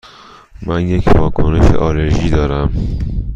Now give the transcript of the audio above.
من یک واکنش آلرژی دارم.